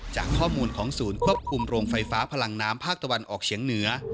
จากข้อมูลของศูนย์ควบคุมโรงไฟฟ้าพลังน้ำภาคตะวันออกเฉียงเหนือ